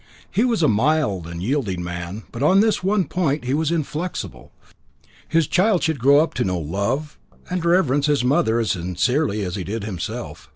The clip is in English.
He was a mild and yielding man, but on this one point he was inflexible his child should grow up to know, love, and reverence his mother as sincerely as did he himself.